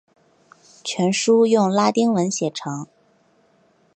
全书用拉丁文写成。